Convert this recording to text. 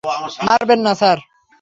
মারবেন না, স্যার।